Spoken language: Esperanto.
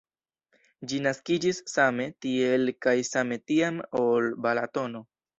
Ĝi naskiĝis same tiel kaj same tiam, ol Balatono.